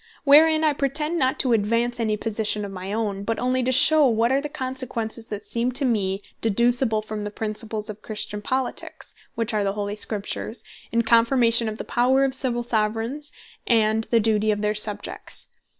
Wherein I pretend not to advance any Position of my own, but onely to shew what are the Consequences that seem to me deducible from the Principles of Christian Politiques, (which are the holy Scriptures,) in confirmation of the Power of Civill Soveraigns, and the Duty of their Subjects.